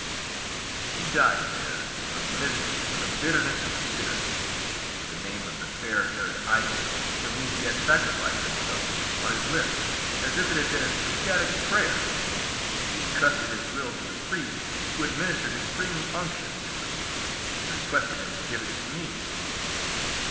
"He died there of misery and of bitterness of spirit, with the name of the fair haired idol, for whom he had sacrificed himself, on his lips, as if it had been an ecstatic prayer, and he entrusted his will to the priest who administered extreme unction to him, and requested him to give it to me.